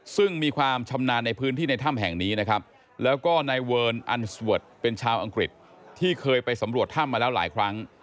ซึ่งมีความชำนาญในพื้นที่ในถ้ำแห่งนี้นะครับแล้วก็นายเวิร์นอันสเวิร์ดเป็นชาวอังกฤษที่เคยไปสำรวจถ้ำมาแล้วหลายครั้ง